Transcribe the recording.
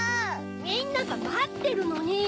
みんながまってるのに。